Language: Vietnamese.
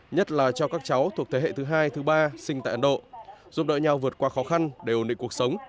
nhất là cho các cháu thuộc thế hệ thứ hai thứ ba sinh tại ấn độ giúp đỡ nhau vượt qua khó khăn để ổn định cuộc sống